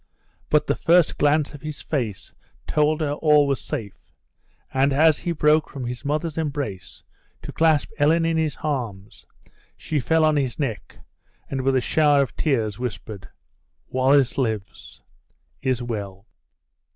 But the first glance of his face told her all was safe, and as he broke from his mother's embrace, to clasp Helen in his arms, she fell upon his neck, and, with a shower of tears, whispered, "Wallace lives? Is well?"